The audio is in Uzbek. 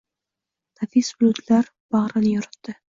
Nafis bulutlar bag’rini yoritdi